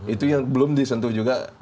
itu yang belum disentuh juga